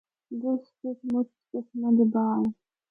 جس بچ مُچ قسماں دے باغ ہن۔